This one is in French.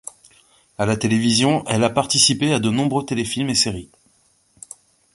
A la télévision elle a participé à de nombreux téléfilms et séries.